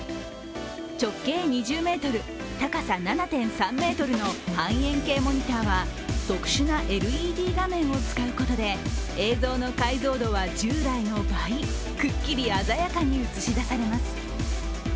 直径２０ｍ、高さ７．３ｍの半円形モニターは特殊なＬＥＤ画面を使うことで映像の解像度は従来の倍くっきり鮮やかに映し出されます。